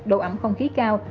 độ ẩm không khí cao